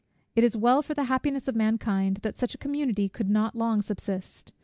It is well for the happiness of mankind, that such a community could not long subsist.